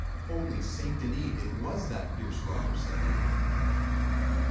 "Holy St. Denis! it was that fierce robber," said the lady.